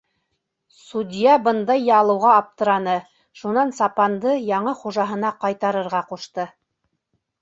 Судья бындай ялыуға аптыраны, шунан сапанды яңы хужаһына ҡайтарырға ҡушты.